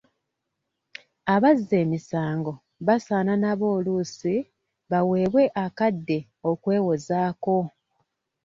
Abazza emisango basaana nabo oluusi baweebwe akadde okwewozaako.